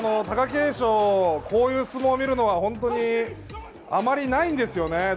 貴景勝、こういう相撲を見るのは本当にあまりないんですよね。